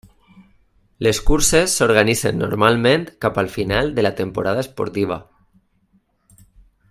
Les curses s'organitzen normalment cap al final de la temporada esportiva.